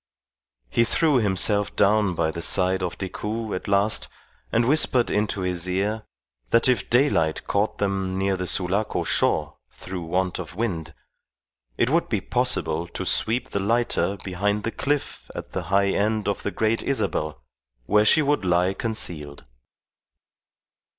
He threw himself down by the side of Decoud at last, and whispered into his ear that if daylight caught them near the Sulaco shore through want of wind, it would be possible to sweep the lighter behind the cliff at the high end of the Great Isabel, where she would lie concealed.